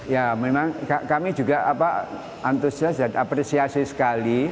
ya memang kami juga antusias dan apresiasi sekali